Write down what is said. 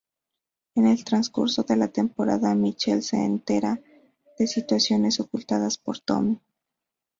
En el transcurso de la temporada Michelle se entera de situaciones ocultadas por Tony.